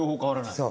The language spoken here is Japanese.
そう。